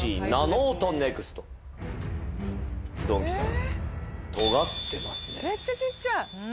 めっちゃちっちゃい！